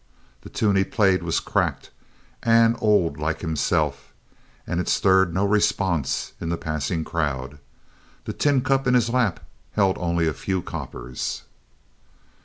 The tune he played was cracked and old like himself, and it stirred no response in the passing crowd. The tin cup in his lap held only a few coppers.